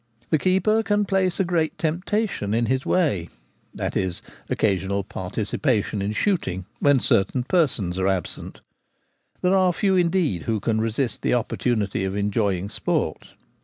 The keeper can place a great temptation in his way — i.e. occasional participation in shooting when certain persons are absent : there are few indeed who can resist the opportunity of enjoying sport.